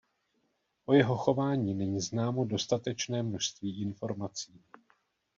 O jeho chování není známo dostatečné množství informací.